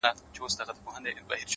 اوس يې صرف غزل لولم؛ زما لونگ مړ دی؛